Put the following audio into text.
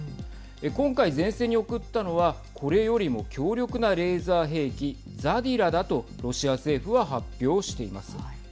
今回、前線に送ったのはこれよりも強力なレーザー兵器ザディラだとロシア政府は発表しています。